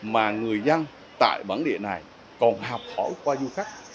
mà người dân tại bản địa này còn học hỏi qua du khách